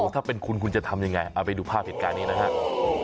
ถ้าเป็นคุณคุณจะทำยังไงเอาไปดูภาพเหตุการณ์นี้นะครับ